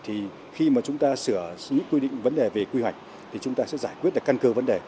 thì khi mà chúng ta sửa những quy định vấn đề về quy hoạch thì chúng ta sẽ giải quyết được căn cơ vấn đề